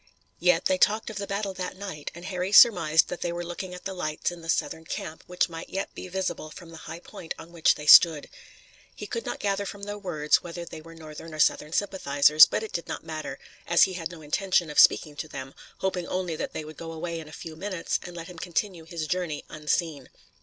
Yet they talked of the battle that night, and Harry surmised that they were looking at the lights in the Southern camp which might yet be visible from the high point on which they stood. He could not gather from their words whether they were Northern or Southern sympathizers, but it did not matter, as he had no intention of speaking to them, hoping only that they would go away in a few minutes and let him continue his journey unseen.